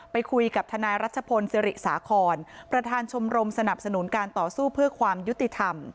ไปคุยกับทนายรัชพลศิริสาคอนประธานชมรมสนับสนุนการต่อสู้เพื่อความยุติธรรม